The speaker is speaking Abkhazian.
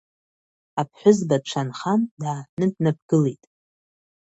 Аԥҳәызба дшанхан, дааҳәны днаԥгылеит.